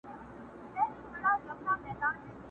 خط د ټکي څخه شروع کېږي.